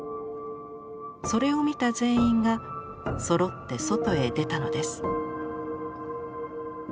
それを見た全員がそろって外へ出たのです。